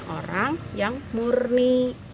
lima orang yang murni